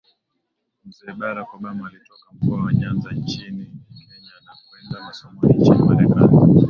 Mzee Barack Obama alitoka mkoa wa Nyanza nchini kenya na kwenda masomoni nchini marekani